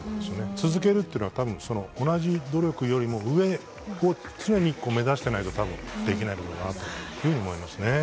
続けるっていうのは多分、同じ努力よりも上を常に目指していないとできない部分があると思います。